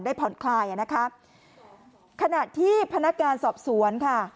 ได้ผ่อนคลายขณะที่พนักการสอบสวน